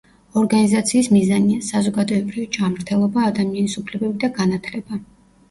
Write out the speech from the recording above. ორგანიზაციის მიზანია: საზოგადოებრივი ჯანმრთელობა, ადამიანის უფლებები და განათლება.